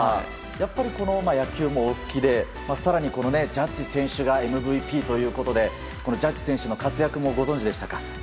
野球もお好きで更にジャッジ選手がＭＶＰということでジャッジ選手の活躍もご存じでしたか？